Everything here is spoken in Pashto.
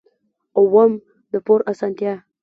اووم: د پور اسانتیا.